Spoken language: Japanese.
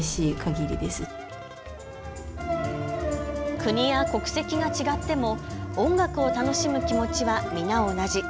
国や国籍が違っても音楽を楽しむ気持ちは皆同じ。